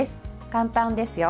簡単ですよ。